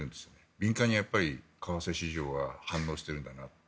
敏感に為替市場は反応してるんだなと。